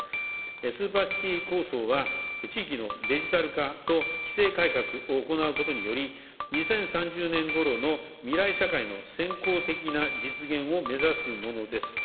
スーパーシティ構想は、地域のデジタル化と規制改革を行うことにより、２０３０年ごろの未来社会の先行的な実現を目指すものです。